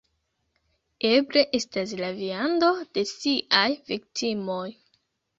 Eble, estas la viando de siaj viktimoj